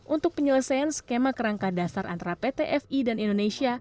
untuk penyelesaian skema kerangka dasar antara pt dan pph